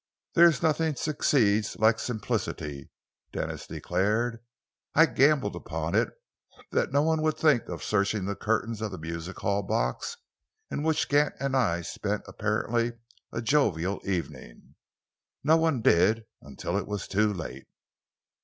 "There's nothing succeeds like simplicity," Denis declared. "I gambled upon it that no one would think of searching the curtains of the music hall box in which Gant and I spent apparently a jovial evening. No one did until it was too late.